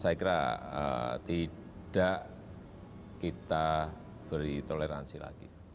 saya kira tidak kita beri toleransi lagi